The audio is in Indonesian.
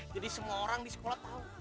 jadi semua orang di sekolah tau